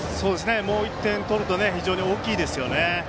もう１点取ると非常に大きいですよね。